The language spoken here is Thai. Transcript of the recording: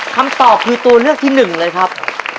คำตอบคือตัวเลือกที่หนึ่งเลยครับ